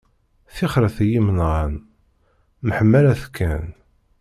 Tixret i yimenɣan, mḥemmalet kan.